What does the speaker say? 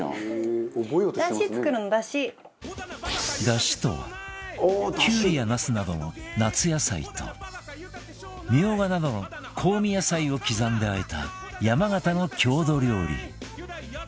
だしとはきゅうりやなすなどの夏野菜とミョウガなどの香味野菜を刻んで和えた山形の郷土料理